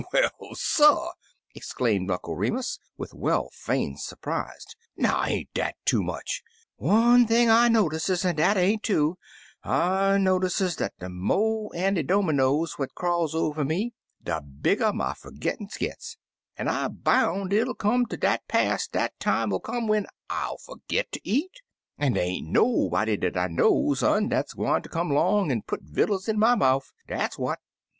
"Well, suh!" exclaimed Uncle Remus, with well feigned surprise. "Now, ain't dat too much ? One thing I notices, an' dat ain't two — I notices dat de mo' Anny Dominoes what crawls over me, de bigger my fergittance gits, an' I boun' it'll come ter dat pass dat de time '11 come when I'll fergit ter eat; an' dey ain't nobody dat I knows un dat's gwine ter come 'long an' put vittles in my mouf. Dat's what!"